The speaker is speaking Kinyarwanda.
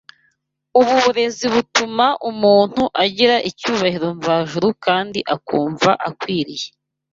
Ubu burezi butuma umuntu agira icyubahiro mvajuru kandi akumva akwiriye